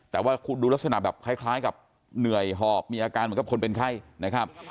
แต่ว่าดูลักษณะแบบคล้ายกับเหนื่อยหอบมีอาการเหมือนกับคนเป็นไข้นะครับ